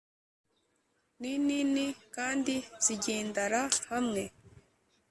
ninini kandi zigendara hamwe